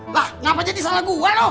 lah ngapa jadi salah gua lo